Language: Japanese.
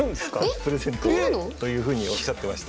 プレゼントというふうにおっしゃってました。